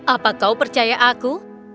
apa kau percaya aku